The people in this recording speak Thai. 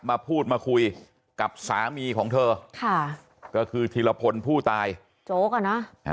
มาพูดมาคุยกับสามีของเธอค่ะก็คือธีรพลผู้ตายโจ๊กอ่ะนะ